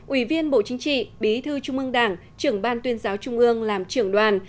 ủy viên bộ chính trị bí thư trung ương đảng trưởng ban tuyên giáo trung ương làm trưởng đoàn